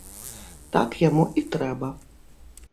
Так яму і трэба.